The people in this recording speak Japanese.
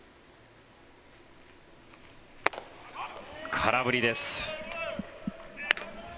空振りです。